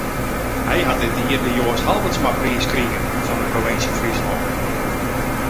Hy hat dit jier de Joast Halbertsmapriis krige fan de Provinsje Fryslân.